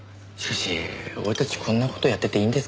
しかし俺たちこんな事やってていいんですかね？